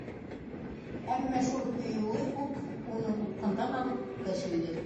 Әммә шул һөйөүе үк уны упҡындан алып, күккә сөйҙө.